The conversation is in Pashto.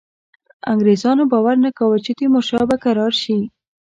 انګرېزانو باور نه کاوه چې تیمورشاه به کرار شي.